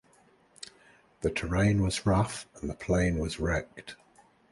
The terrain was rough and the plane was wrecked.